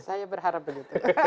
saya berharap begitu